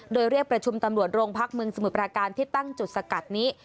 โดยเรียกประชุมตำรวจโรงพักเมืองสมุทรปราการที่ตั้งจุดสกัดนี้